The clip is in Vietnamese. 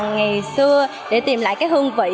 ngày xưa để tìm lại hương vị